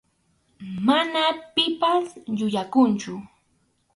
Mana pipas yuyakunchu.